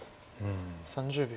３０秒。